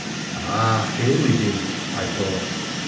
' Ah ! here we be !' I thought.